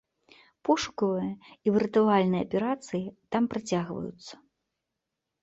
Пошукавыя і выратавальныя аперацыі там працягваюцца.